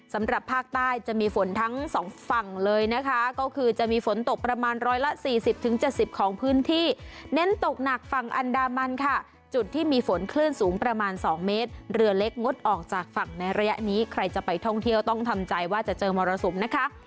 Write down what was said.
สำหรับภาคใต้จะมีฝนทั้งสองฝั่งเลยนะคะก็คือจะมีฝนตกประมาณร้อยละ๔๐๗๐ของพื้นที่เน้นตกหนักฝั่งอันดามันค่ะจุดที่มีฝนคลื่นสูงประมาณ๒เมตรเรือเล็กงดออกจากฝั่งในระยะนี้ใครจะไปท่องเที่ยวต้องทำใจว่าจะเจอมรสุมนะคะ